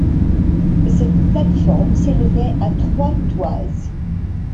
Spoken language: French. Cette plate-forme s’élevait à trois toises